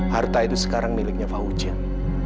harta itu sekarang miliknya faujian